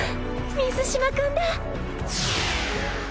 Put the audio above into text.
水嶋君だ